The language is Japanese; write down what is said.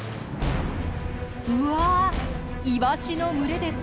うわイワシの群れです！